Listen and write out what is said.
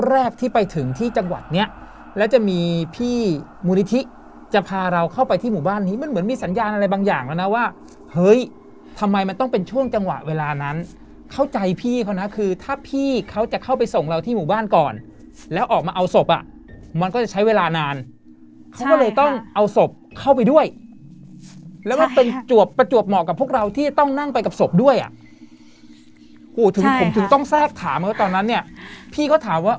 แรกที่ไปถึงที่จังหวัดเนี้ยแล้วจะมีพี่มูลิธิจะพาเราเข้าไปที่หมู่บ้านนี้มันเหมือนมีสัญญาณอะไรบางอย่างแล้วนะว่าเฮ้ยทำไมมันต้องเป็นช่วงจังหวะเวลานั้นเข้าใจพี่เขานะคือถ้าพี่เขาจะเข้าไปส่งเราที่หมู่บ้านก่อนแล้วออกมาเอาศพอ่ะมันก็จะใช้เวลานานใช่ค่ะเขาก็เลยต้องเอาศพเข้าไปด้วยใช่ค่ะแล้วมันเป็นจ